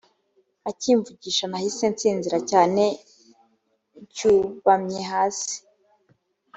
akimvugisha nahise nsinzira cyane ncyubamye hasi